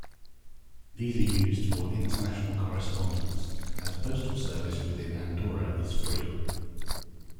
These are used for international correspondence, as postal service within Andorra is free.